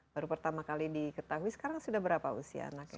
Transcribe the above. baru pertama kali diketahui sekarang sudah berapa usia anaknya